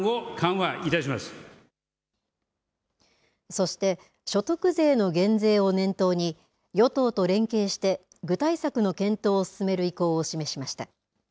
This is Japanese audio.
そして所得税の減税を念頭に、与党と連携して具体策の検討を進める意向を示しました。